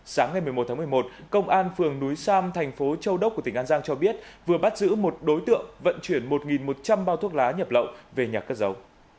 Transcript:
sáng ngày một mươi một tháng một mươi một công an phường núi sam thành phố châu đốc của tỉnh an giang cho biết vừa bắt giữ một đối tượng vận chuyển một một trăm linh bao thuốc lá nhập lậu về nhà cất giấu